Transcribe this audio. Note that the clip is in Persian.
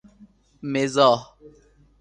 مزاح